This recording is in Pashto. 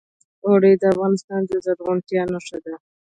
اوړي د افغانستان د زرغونتیا نښه ده.